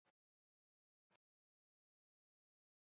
Carcelpi llakichkán.